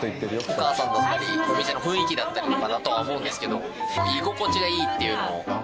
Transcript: お母さんだったりお店の雰囲気だったりとかだとは思うんですけど居心地がいいっていうのを。